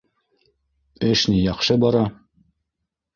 Эш ни... яҡшы бара.